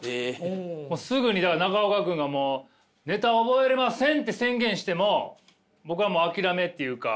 もうすぐにだから中岡君が「ネタ覚えれません！」って宣言しても僕はもう諦めっていうか。